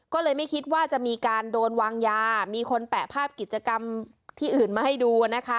ก็เลยไม่คิดว่าจะมีการโดนวางยามีคนแปะภาพกิจกรรมที่อื่นมาให้ดูนะคะ